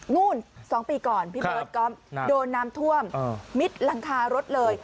นู่น๒ปีก่อนพี่เบิร์ตก๊อฟโดนน้ำท่วมมิดหลังคารถเลย